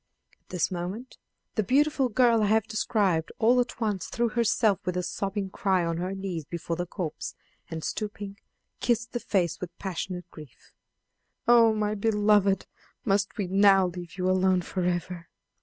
At this moment the the beautiful girl I have described all at once threw herself with a sobbing cry on her knees before the corpse, and, stooping, kissed the face with passionate grief. "Oh, my beloved, must we now leave you alone forever!"